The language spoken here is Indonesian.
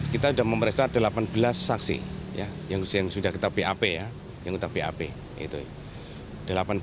kita sudah memeriksa delapan belas saksi yang sudah kita pap